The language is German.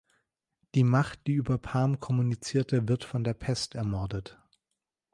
Die Macht, die über Pham kommunizierte, wird von der Pest ermordet.